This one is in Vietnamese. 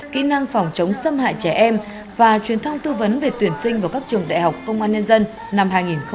kỹ năng phòng chống xâm hại trẻ em và truyền thông tư vấn về tuyển sinh vào các trường đại học công an nhân dân năm hai nghìn hai mươi